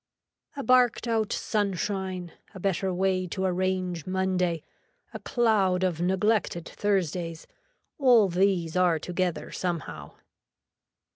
A barked out sunshine, a better way to arrange Monday, a cloud of neglected Thursdays, all these are together somehow.